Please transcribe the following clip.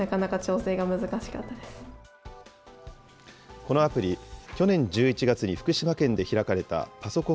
このアプリ、去年１１月に福島県で開かれたパソコン